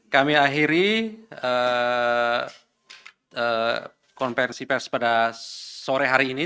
kami akhiri konversi pers pada sore hari ini